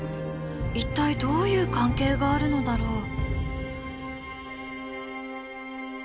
一体どういう関係があるのだろう。